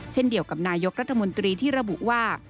เช่นเดียวกับนายกรัฐมนตรีที่ระบุว่า